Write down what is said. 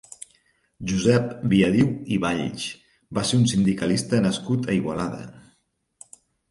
Josep Viadiu i Valls va ser un sindicalista nascut a Igualada.